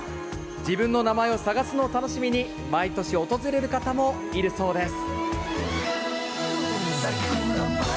自分の名前を探すのを楽しみに毎年訪れる方もいるそうです。